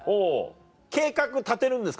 計画立てるんですか？